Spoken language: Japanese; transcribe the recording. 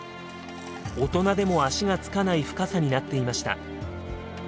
大人でも足がつかない深さになっていました。